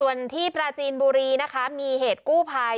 ส่วนที่ปราจีนบุรีนะคะมีเหตุกู้ภัย